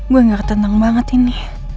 gue gak tenang banget ini